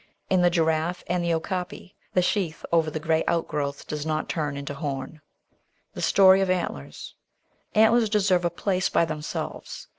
In the Giraffe and the Okapi the sheath over the bony outgrowth does not turn into horn. The Story of Antlers Antlers deserve a place by themselves.